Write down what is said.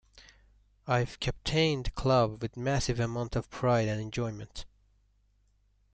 I've captained the club with massive amounts of pride and enjoyment.